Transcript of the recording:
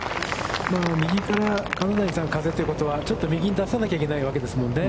右からの風ということはちょっと右に出さないといけないわけですもんね。